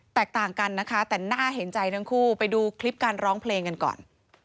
แตกต่างกันนะคะแต่น่าเห็นใจทั้งคู่ไปดูคลิปการร้องเพลงกันก่อน